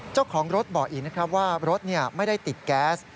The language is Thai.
เจ้าของรถบอกอีกนะครับว่ารถไม่ได้ติดแก๊ส